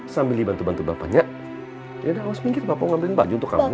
sambil dibantu bantu bapaknya yaudah awas minggir bapak mau ngambilin baju untuk kamu